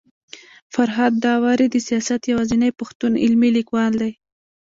فرهاد داوري د سياست يوازنی پښتون علمي ليکوال دی